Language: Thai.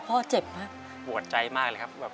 พอที่ใจมากเลยครับ